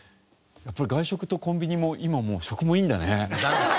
やっぱり外食とコンビニも今はもう食もいいんだね！